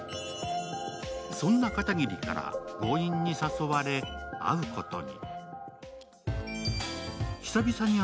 そんな片桐から強引に誘われ、会うことに。